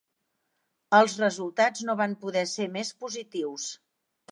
Els resultats no van poder ser més positius.